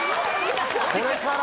これから？